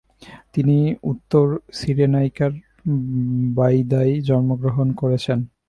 তিনি উত্তর সিরেনাইকার বাইদায় জন্মগ্রহণ করেছেন।